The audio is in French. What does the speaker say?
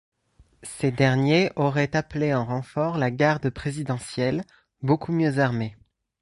Ces derniers auraient appelé en renfort la garde présidentielle, beaucoup mieux armée.